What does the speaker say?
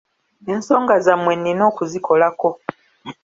Enzonga zammwe nnina okuzikolako.